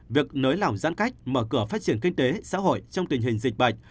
việc nới lỏng giãn cách mở cửa phát triển kinh tế xã hội trong tình hình dịch bệnh